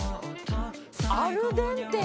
アルデンテ。